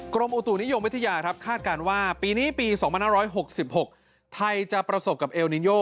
กรมอุตุนิยมวิทยาครับคาดการณ์ว่าปีนี้ปี๒๕๖๖ไทยจะประสบกับเอลนินโย